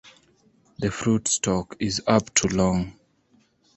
The fruit stalk is up to long.